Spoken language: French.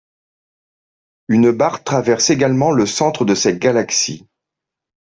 Une barre traverse également le centre de cette galaxie.